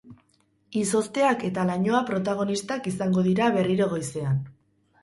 Izozteak eta lainoa protagonistak izango dira berriro goizean.